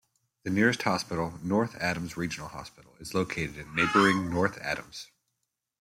The nearest hospital, North Adams Regional Hospital, is located in neighboring North Adams.